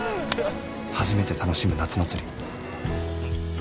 初めて楽しむ夏祭り